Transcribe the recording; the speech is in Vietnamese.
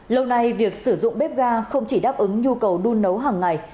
lâu nay việc sử dụng bếp ga không chỉ đáp ứng nhu cầu đun nấu hằng ngày